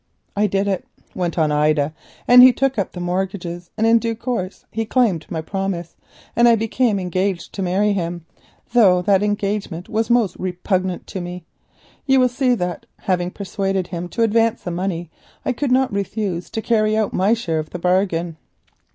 "I did it," went on Ida, "and he took up the mortgages, and in due course he claimed my promise, and I became engaged to marry him, though that engagement was repugnant to me. You will see that having persuaded him to advance the money I could not refuse to carry out my share of the bargain."